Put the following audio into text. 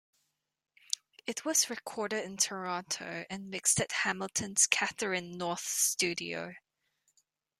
It was recorded in Toronto and mixed at Hamilton's Catherine North Studio.